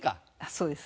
そうです。